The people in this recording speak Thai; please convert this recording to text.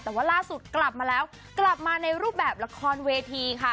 แต่ว่าล่าสุดกลับมาแล้วกลับมาในรูปแบบละครเวทีค่ะ